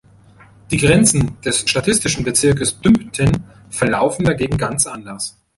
Die Grenzen des statistischen Bezirks Dümpten verlaufen dagegen ganz anders.